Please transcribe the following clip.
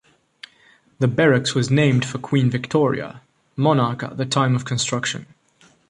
The barracks was named for Queen Victoria, monarch at the time of construction.